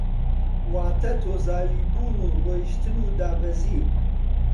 واتە تۆزاوی بوون و ڕۆیشتن و دابەزین